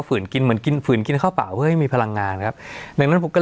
ฝืนกินเหมือนกินฝืนกินข้าวเปล่าเพื่อให้มีพลังงานครับดังนั้นผมก็